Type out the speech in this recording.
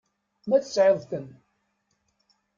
Ma tesɛiḍ-ten.